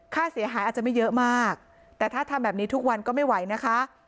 ค่าเสียหายอาจจะไม่เยอะมากแต่ถ้าทำแบบนี้ทุกวันก็ไม่ไหวนะคะ